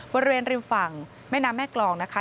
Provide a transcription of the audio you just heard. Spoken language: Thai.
บริเวณริมฝั่งแม่น้ำแม่กรองนะคะ